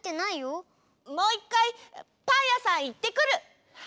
もういっかいパンやさんいってくる！